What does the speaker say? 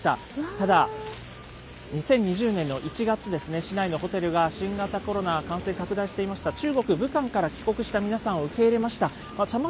ただ、２０２０年の１月ですね、市内のホテルが新型コロナ、感染拡大していました、中国・武漢から帰国した皆さんを受け入れました。